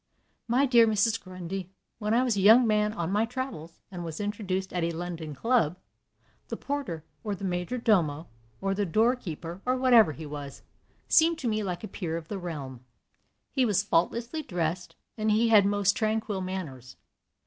"My dear Mrs. Grundy, when I was a young man on my travels, and was introduced at a London club, the porter, or the major domo, or the door keeper, or whatever he was, seemed to me like a peer of the realm. He was faultlessly dressed, and he had most tranquil manners.